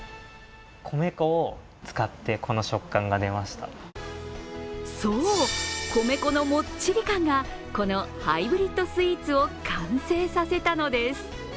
それがそう、米粉のもっちり感がこのハイブリッドスイーツを完成させたのです。